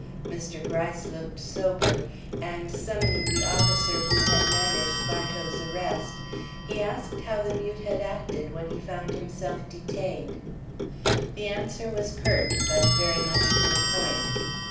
Mr. Gryce looked sober, and, summoning the officer who had managed Bartow's arrest, he asked how the mute had acted when he found himself detained. The answer was curt, but very much to the point.